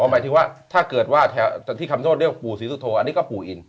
หมายถึงว่าถ้าเกิดว่าแถวที่คำโนธเรียกปู่ศรีสุโธอันนี้ก็ปู่อิน